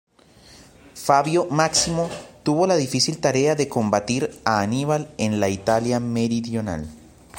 Fabio Máximo tuvo la difícil tarea de combatir a Aníbal en la Italia meridional.